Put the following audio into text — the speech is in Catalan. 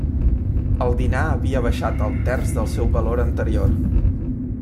El dinar havia baixat al terç del seu valor anterior.